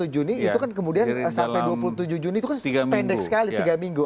dua puluh juni itu kan kemudian sampai dua puluh tujuh juni itu kan pendek sekali tiga minggu